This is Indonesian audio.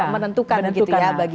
menentukan gitu ya bagi